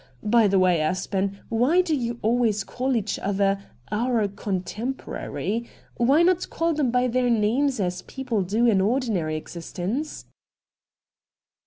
By the way. Aspen, why do you always call each other " our contemporary ?" Why not call them by their name as people do in ordinary existence